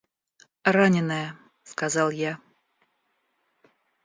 — Раненые, — сказал я.